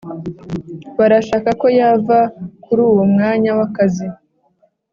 Barashaka ko yava kuri uwo mwanya w’akazi,